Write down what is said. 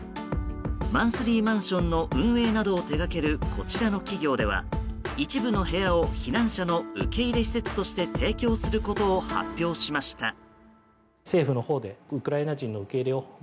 マンスリーマンションの運営などを手掛けるこちらの企業では一部の部屋を避難者の受け入れ施設として提供することを発表しました。